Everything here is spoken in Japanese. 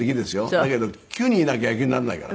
だけど９人いなきゃ野球にならないから。